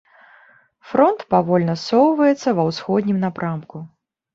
Фронт павольна ссоўваецца ва ўсходнім напрамку.